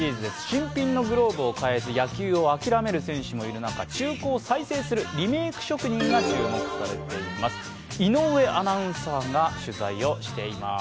新品のグローブを買えず、野球をあきらめる選手もいる中、中古を再生するリメーク職人が注目されています。